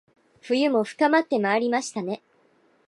冬も深まってまいりましたね